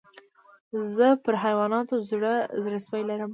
زه پر حیواناتو زړه سوى لرم.